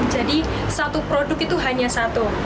jadi satu produk itu hanya satu